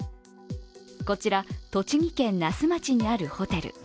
こちら栃木県那須町にあるホテル。